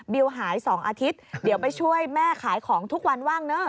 หาย๒อาทิตย์เดี๋ยวไปช่วยแม่ขายของทุกวันว่างเนอ